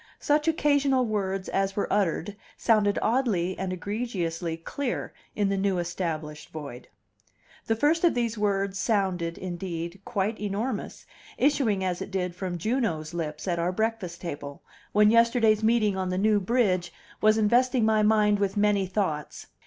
Such occasional words as were uttered sounded oddly and egregiously clear in the new established void. The first of these words sounded, indeed, quite enormous, issuing as it did from Juno's lips at our breakfast table, when yesterday's meeting on the New Bridge was investing my mind with many thoughts.